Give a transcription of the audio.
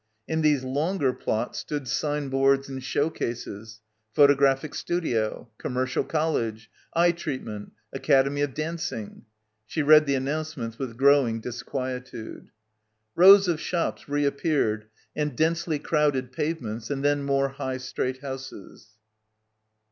In these longer plots stood signboards and show cases. "Photo — 20 — BACKWATER graphic Studio," "Commercial College," "Eye Treatment," "Academy of Dancing." ... She read the announcements with growing disquietude. Rows of shops reappeared and densely crowded pavements, and then more high straight houses.